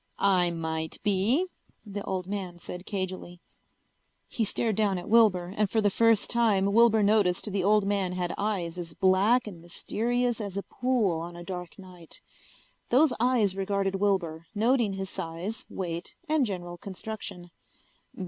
"I might be," the old man said cagily. He stared down at Wilbur, and for the first time Wilbur noticed the old man had eyes as black and mysterious as a pool on a dark night. Those eyes regarded Wilbur, noting his size, weight and general construction.